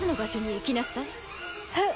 えっ？